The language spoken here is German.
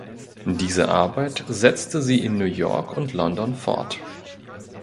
Diese Arbeit setzte sie in New York und London fort.